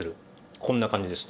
こんな感じですね。